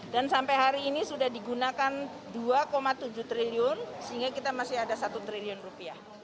dan sampai hari ini sudah digunakan dua tujuh triliun sehingga kita masih ada satu triliun rupiah